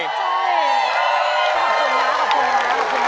ใช่